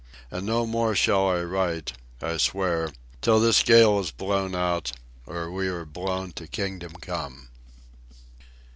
And no more shall I write, I swear, until this gale is blown out, or we are blown to Kingdom Come.